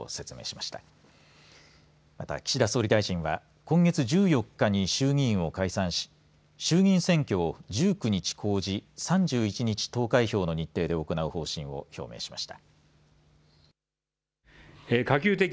また、岸田総理大臣は今月１４日に衆議院を解散し衆議院選挙を１９日公示３１日、投開票の日程で行う方針を表明しました。